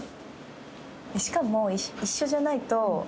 しかも一緒じゃないと。